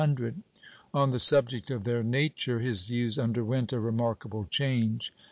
On the subject of their nature his views underwent a remarkable change.